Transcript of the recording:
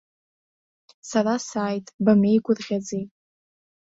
Сара сааит, бамеигәырӷьаӡеи?